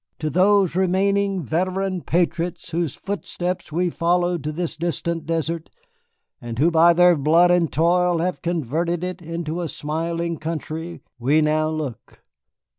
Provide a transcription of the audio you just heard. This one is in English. To those remaining veteran patriots whose footsteps we followed to this distant desert, and who by their blood and toil have converted it into a smiling country, we now look.